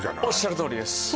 おっしゃるとおりです